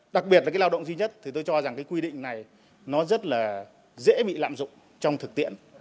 đặc biệt là cái lao động duy nhất thì tôi cho rằng cái quy định này nó rất là dễ bị lạm dụng trong thực tiễn